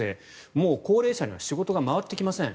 もう高齢者には仕事が回ってきません。